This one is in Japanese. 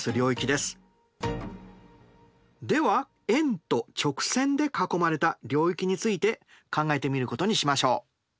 では円と直線で囲まれた領域について考えてみることにしましょう。